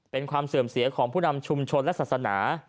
เป็นความเสื่อมเสียของผู้นำชุมชนและศาสนา